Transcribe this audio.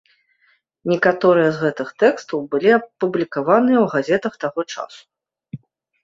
Некаторыя з гэтых тэкстаў былі апублікаваныя ў газетах таго часу.